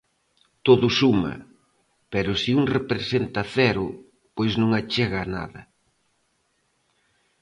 Todo suma, pero se un representa cero, pois non achega nada.